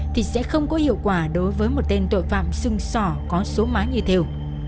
thì sẽ không có hiệu quả đối với một tên tội phạm xưng sỏ có số má như theo